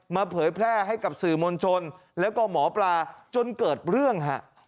เผยแพร่ให้กับสื่อมวลชนแล้วก็หมอปลาจนเกิดเรื่องฮะ